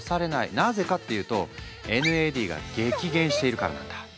なぜかっていうとＮＡＤが激減しているからなんだ。